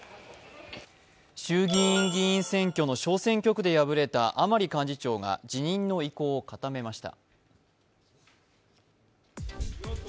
衆議院議員選挙の小選挙区で敗れた甘利幹事長が辞任の意向を固めました。